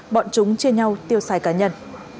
bọn chúng chia nhau tiêu xài cá nhân